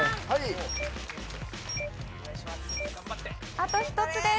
あと１つです。